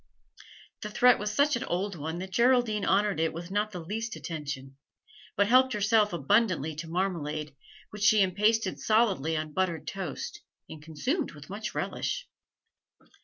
The threat was such an old one that Geraldine honoured it with not the least attention, but helped herself abundantly to marmalade, which she impasted solidly on buttered toast, and consumed with much relish.